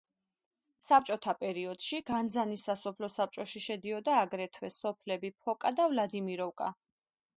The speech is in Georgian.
საბჭოთა პერიოდში განძანის სასოფლო საბჭოში შედიოდა აგრეთვე სოფლები ფოკა და ვლადიმიროვკა.